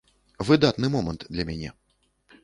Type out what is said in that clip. Выдатны момант для мяне.